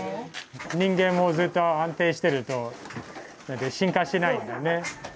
人間もずっと安定してると進化しないですからね。